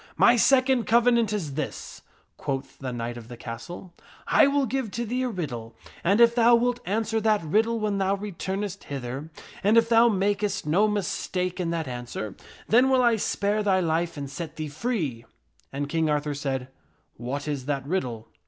" My second covenant is this," quoth the knight of the castle, " I will give to thee a riddle, and if thou wilt answer that riddle when thou returnest hither, and if thou makest no mistake in that answer, then will I spare thy King Arthur nf e anc i se t thee free." And King Arthur said, " What is that riddle?"